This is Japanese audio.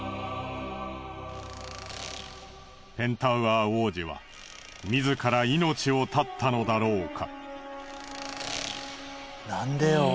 ペンタウアー王子は自ら命を絶ったのだろうか？